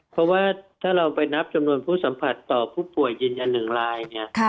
เพราะว่าถ้าเราไปนับจำนวนผู้สัมผัสต่อผู้ป่วยยืนยัน๑รายเนี่ย